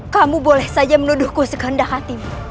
kamu boleh saja menuduhku sekehendak hatimu